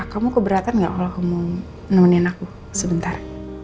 kamu keberatan gak kalau aku mau nemenin aku sebentar